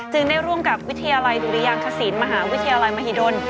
ได้ร่วมกับวิทยาลัยดุริยางคศิลป์มหาวิทยาลัยมหิดล